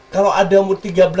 kalau ada u tiga belas empat belas